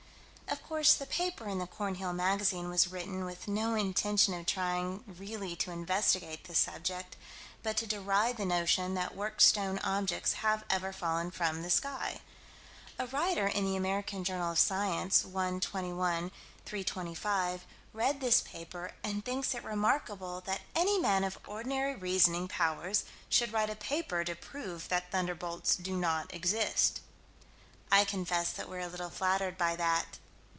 Of course the paper in the Cornhill Magazine was written with no intention of trying really to investigate this subject, but to deride the notion that worked stone objects have ever fallen from the sky. A writer in the Amer. Jour. Sci., 1 21 325, read this paper and thinks it remarkable "that any man of ordinary reasoning powers should write a paper to prove that thunderbolts do not exist." I confess that we're a little flattered by that.